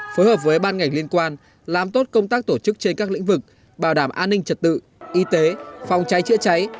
phối hợp với ban ngành liên quan làm tốt công tác tổ chức trên các lĩnh vực bảo đảm an ninh trật tự y tế phòng cháy chữa cháy